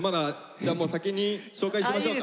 じゃあ先に紹介しましょうか。